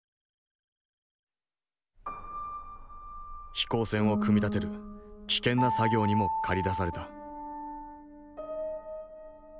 飛行船を組み立てる危険な作業にも駆り出された。